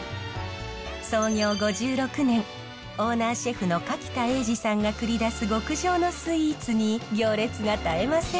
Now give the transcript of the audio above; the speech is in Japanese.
創業５６年オーナーシェフの柿田衛二さんが繰り出す極上のスイーツに行列が絶えません。